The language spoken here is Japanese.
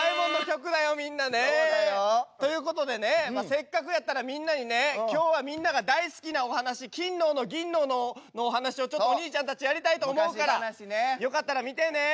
そうだよ。ということでねせっかくやったらみんなにね今日はみんなが大好きなお話「金の斧銀の斧」のお話をちょっとおにいちゃんたちやりたいと思うからよかったら見てね。